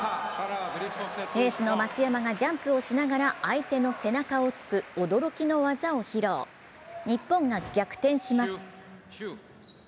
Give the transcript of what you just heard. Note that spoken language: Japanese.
エースの松山がジャンプをしながら相手の背中を突く驚きの技を披露、日本が逆転します。